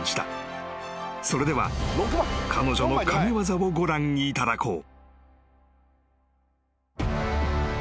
［それでは彼女の神業をご覧いただこう］